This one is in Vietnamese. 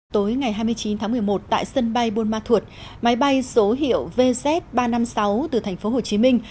tối ngày hai mươi chín tháng một mươi một tại sân bay buôn ma thuột máy bay số hiệu vz ba trăm năm mươi sáu từ thành phố hồ chí minh